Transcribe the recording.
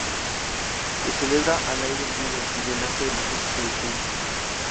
Se celebra al aire libre y delante de los ojos del público.